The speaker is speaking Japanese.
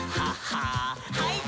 はい。